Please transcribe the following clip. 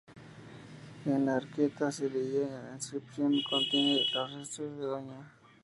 En la arqueta se leía la inscripción: "Contiene los restos de Dña.